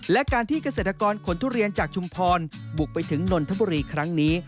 และการที่เกษตรกรขนทุเรียนจากชุมพรบุกไปถึงนนทบุรีครั้งนี้